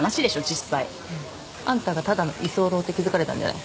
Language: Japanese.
実際あんたがただの居候って気づかれたんじゃない？